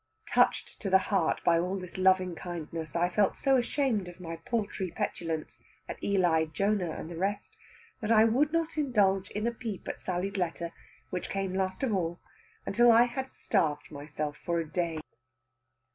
Touched to the heart by all this loving kindness, I felt so ashamed of my paltry petulance at Eli, Jonah, and the rest, that I would not indulge in a peep at Sally's letter, which came last of all, until I had starved myself for a day.